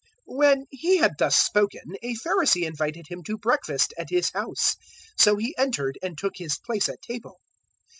011:037 When He had thus spoken, a Pharisee invited Him to breakfast at his house; so He entered and took His place at table.